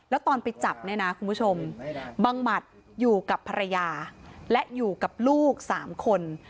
แล้วตอนไปจับเนี่ยนะคุณผู้ชมบังหมัดอยู่กับภรรยาและอยู่กับลูก๓คน